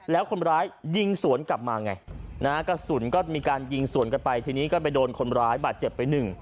แล้วคนร้ายยิงสวนกลับมาไงนะฮะกระสุนก็มีการยิงสวนกันไปทีนี้ก็ไปโดนคนร้ายบาดเจ็บไปหนึ่ง